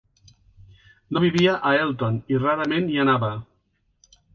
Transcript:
No vivia a Elton i rarament hi anava.